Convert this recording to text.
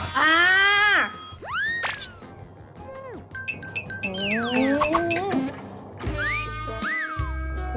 อ่า